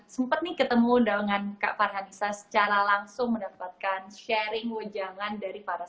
sempet nih ketemu dengan kak parhanisa secara langsung mendapatkan sharing wajahkan dari para